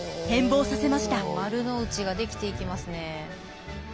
丸の内が出来ていきますね。